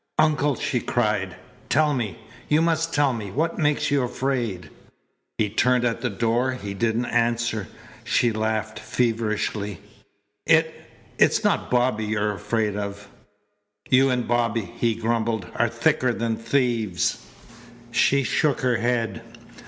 "Uncle!" she cried. "Tell me! You must tell me! What makes you afraid?" He turned at the door. He didn't answer. She laughed feverishly. "It it's not Bobby you're afraid of?" "You and Bobby," he grumbled, "are thicker than thieves." She shook her head.